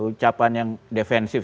ucapan yang defensif